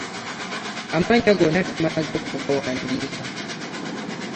Amannya gonna tumaze okugawandiika.